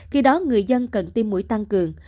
khi đó người dân cần tiêm mũi tăng cường